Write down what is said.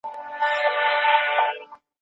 پر چا زیارت او پر چا لوړي منارې جوړي سي